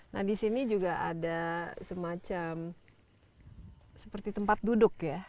nah di sini juga ada semacam seperti tempat duduk ya